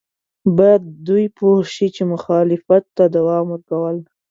باید دوی پوه شي چې مخالفت ته دوام ورکول.